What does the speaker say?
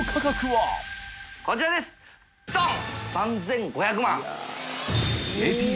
こちらですドン！